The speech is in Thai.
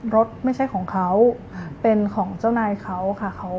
รถไม่ใช่ของเขาเป็นของเจ้านายเขาค่ะ